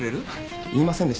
言いませんでしたっけ？